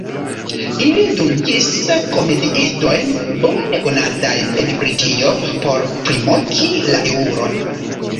Ili dungis komediistojn, bone konatajn en Britio, por primoki la eŭron.